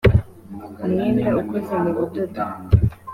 umwenda ukoze mu budodo